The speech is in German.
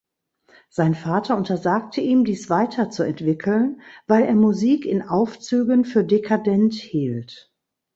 Sein Vater untersagte ihm, dies weiterzuentwickeln, weil er Musik in Aufzügen für dekadent hielt.